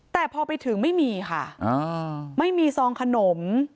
แต่พอไปถึงไม่มีค่ะไม่มีซองขนม